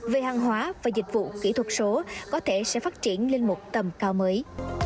về hàng hóa và dịch vụ kỹ thuật số có thể sẽ phát triển lên một tầm cao mới